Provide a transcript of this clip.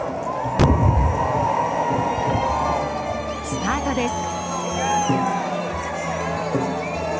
スタートです。